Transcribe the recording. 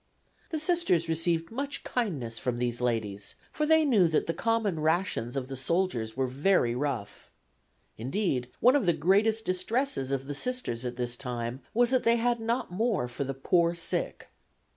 The Sisters received much kindness from these ladies, for they knew that the common rations of the soldiers were very rough. Indeed, one of the greatest distresses of the Sisters at this time was that they had not more for the poor sick.